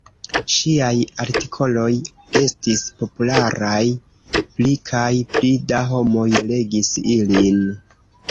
Ŝiaj artikoloj estis popularaj, pli kaj pli da homoj legis ilin.